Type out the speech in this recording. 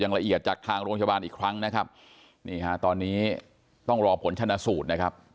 ละเอียดจากทางโรงพยาบาลอีกครั้งนะครับนี่ฮะตอนนี้ต้องรอผลชนะสูตรนะครับ